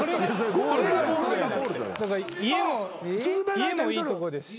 家もいいとこですし。